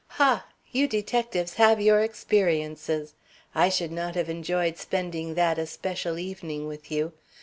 "Ha! You detectives have your experiences! I should not have enjoyed spending that especial evening with you.